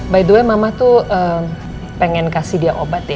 by the way mama tuh pengen kasih dia obat ya